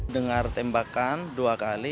dengar tembakan dua kali